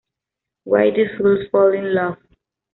Why Do Fools Fall in Love?